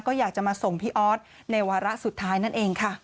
ก็อยากจะมาส่งพี่ออสในวาระสุดท้ายนั่นเองค่ะ